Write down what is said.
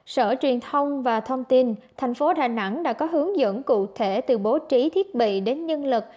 sở truyền thông và thông tin thành phố đà nẵng đã có hướng dẫn cụ thể từ bố trí thiết bị đến nhân lực